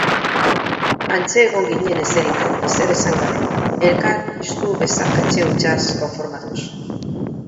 Hantxe egon ginen eserita ezer esan gabe, elkar estu besarkatze hutsaz konformatuz.